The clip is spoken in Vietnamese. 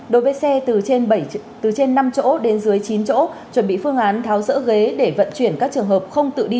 đối với xe từ trên năm chỗ đến dưới chín chỗ chuẩn bị phương án tháo rỡ ghế để vận chuyển các trường hợp không tự đi